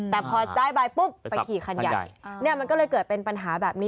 แต่พอได้ใบปุ๊บไปขี่คันใหญ่มันก็เลยเกิดเป็นปัญหาแบบนี้